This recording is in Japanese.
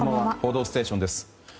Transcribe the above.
「報道ステーション」です。